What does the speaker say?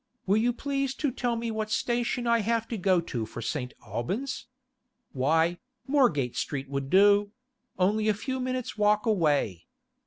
'Will you please to tell me what station I have to go to for St. Albans?' Why, Moorgate Street would do; only a few minutes' walk away.